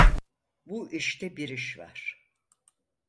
Bu işte bir iş var.